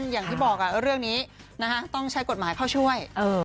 อย่างที่บอกเรื่องนี้ต้องใช้กฎหมายเข้าช่วย